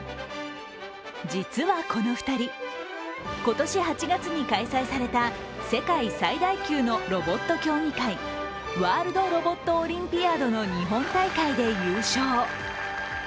実はこの２人、今年８月に開催された世界最大級のロボット競技会、ＷｏｒｌｄＲｏｂｏｔＯｌｙｍｐｉａｄの日本大会で優勝。